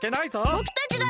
ぼくたちだって！